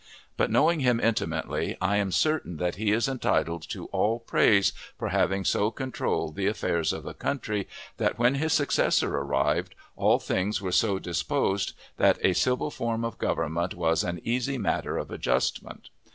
But, knowing him intimately, I am certain that he is entitled to all praise for having so controlled the affairs of the country that, when his successor arrived, all things were so disposed that a civil form of government was an easy matter of adjustment.